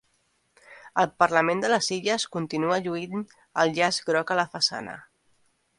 El Parlament de les Illes continua lluint el llaç groc a la façana